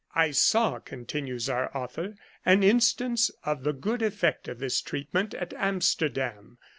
I saw, continues our author, an instance of the good effect of this treatment at Amsterdam.